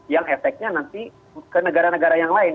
yang efeknya nanti ke negara negara yang lain